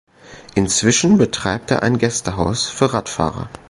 Inzwischen betreibt er ein Gästehaus für Radfahrer.